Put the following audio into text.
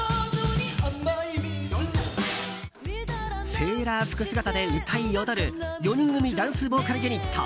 セーラー服姿で歌い踊る４人組ダンスボーカルユニット。